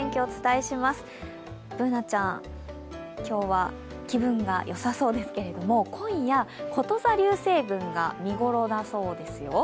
Ｂｏｏｎａちゃん、今日は気分がよさそうですけど、今夜、こと座流星群が見頃だそうですよ。